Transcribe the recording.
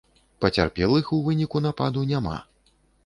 Пацярпелых у выніку нападу няма.